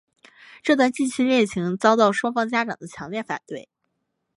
这段近亲恋情遭到双方家长的强烈反对。